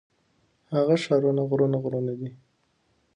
هغه ښارونه غرونه غرونه دي.